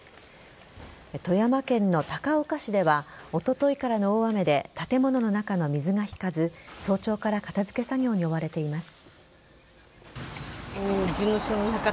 富山県の高岡市ではおとといからの大雨で建物の中が水が引かず早朝から片付け作業に追われています。